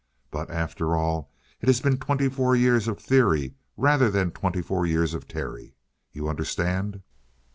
But, after all, it has been twenty four years of theory rather than twenty four years of Terry. You understand?"